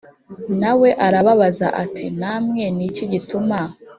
Na we arababaza ati Namwe ni iki gituma